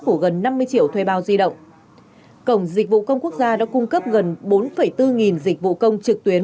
của gần năm mươi triệu thuê bao di động cổng dịch vụ công quốc gia đã cung cấp gần bốn bốn nghìn dịch vụ công trực tuyến